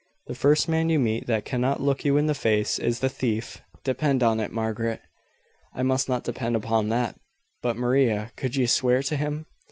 The first man you meet that cannot look you in the face is the thief, depend upon it, Margaret." "I must not depend upon that. But, Maria, could you swear to him?"